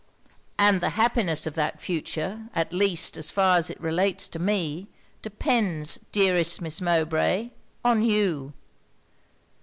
'And the happiness of that future, at least as far as it relates to me, depends, dearest Miss Mowbray, on you.'